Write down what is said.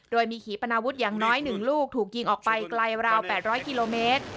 โดยมีขี่ปนาวุธอย่างน้อย๑ลูกถูกยิงออกไปไกลราว๘๐๐กิโลเมตร